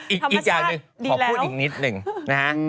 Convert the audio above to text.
อีกอย่างนึงขอพูดอีกนิดหนึ่ง